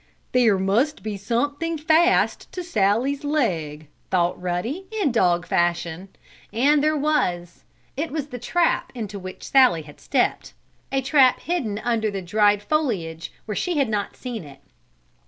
"There must be something fast to Sallie's leg," thought Ruddy, in dog fashion. And there was. It was the trap into which Sallie had stepped a trap hidden under the dried foliage where she had not seen it.